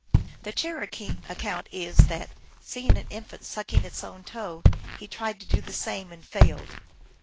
The Cherokee account is that, seeing an infant sucking its own toe, he tried to do the same, and failed.